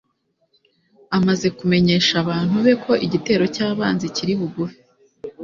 amaze kumenyesha abantu be ko igitero cy'abanzi kiri bugufi